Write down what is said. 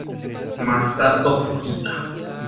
Masato Fujita